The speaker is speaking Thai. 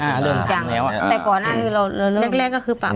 อ่าเริ่มทำแล้วอ่ะแต่ก่อนอ่ะเราเริ่มแรกแรกก็คือป่า